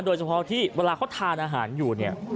โดยเฉพาะที่เวลาเขาทานอาหารอยู่เนี่ย